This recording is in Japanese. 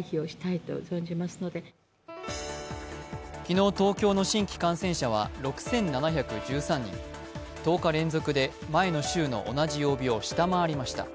昨日東京の新規感染者は６７１３人１０日連続で前の週の同じ曜日を下回りました。